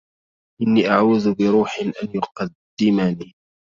إني أعوذ بروح أن يقدمني